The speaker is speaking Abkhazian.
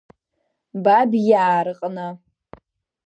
Бабиаа рҟны.